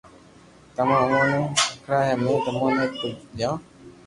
تمو امون ني خلڪيا ھي امي تمو نو ڪجھ دور